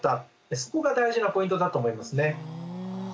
そこが大事なポイントだと思いますね。